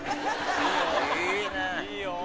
いいよ！